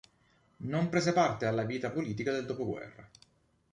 Non prese parte parte alla vita politica del dopoguerra.